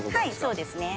そうですね。